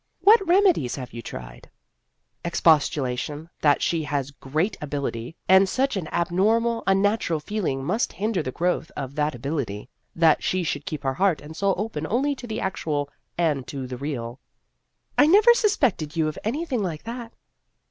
" What remedies have you tried ?"" Expostulation that she has great ability, and such an abnormal, unnatural feeling must hinder the growth of that ability ; that she should keep her heart and soul open only to the actual and to the real." " I never suspected you of anything like that."